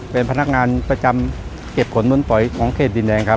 เป็นพนักงานประจำเก็บขนมุนปล่อยของเครศดินแดง